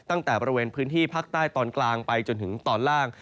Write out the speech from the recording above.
ตั้งแต่บริเวณพื้นที่ภาคใต้ตอนกลางไปจนถึงตอนล่าง